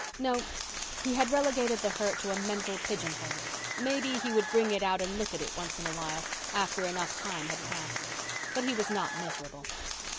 No, he had relegated the hurt to a mental pigeonhole; maybe he would bring it out and look at it once in a while, after enough time had passed. But he was not miserable.